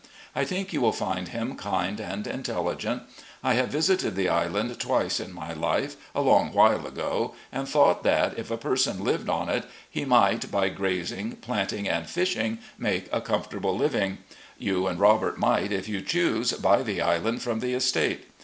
I think you will find him kind and intelligent. I have visited the island twice in my life, a long while ago, and thought that, if a person lived on it, he might, oy grazing, planting, and fehing, make a comfortable living. You and Robert might, if you choose, buy the island from the estate.